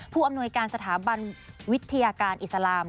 อำนวยการสถาบันวิทยาการอิสลาม